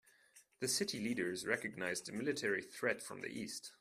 The city leaders recognized a military threat from the east.